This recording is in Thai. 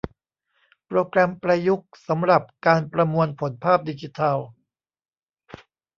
โปรแกรมประยุกต์สำหรับการประมวลผลภาพดิจิทัล